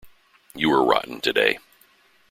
You were rotten today.